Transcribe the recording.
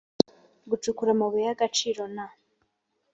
gucukura amabuye y agaciro na